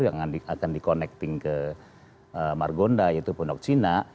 yang akan di connecting ke margonda yaitu pondok cina